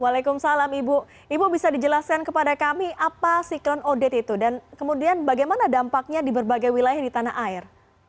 waalaikumsalam ibu ibu bisa dijelaskan kepada kami apa siklon audit itu dan kemudian bagaimana dampaknya di berbagai wilayah di tanah air